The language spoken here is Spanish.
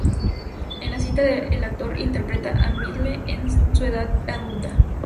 En la cinta el actor interpreta a Milne en su edad adulta.